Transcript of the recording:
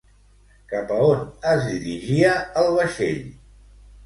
Cap a on es dirigia el vaixell?